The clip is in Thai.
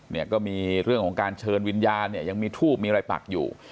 เนี่ยก็มีเรื่องของการเชิญวิญญาณเนี่ยยังมีทูบมีอะไรปักอยู่